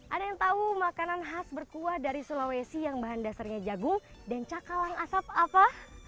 ada yang tahu makanan khas berkuah dari sulawesi yang bahan dasarnya jagung dan cakalang asap apa